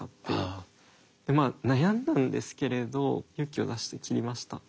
でまあ悩んだんですけれど勇気を出して切りました。